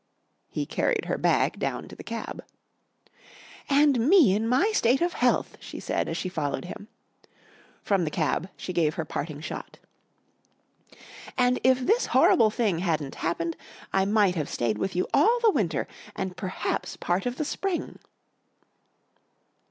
He carried her bag down to the cab. "And me in my state of health," she said as she followed him. From the cab she gave her parting shot. "And if this horrible thing hadn't happened, I might have stayed with you all the winter and perhaps part of the spring."